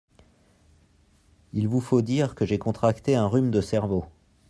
Il vous faut dire que j’ai contracté un rhume de cerveau.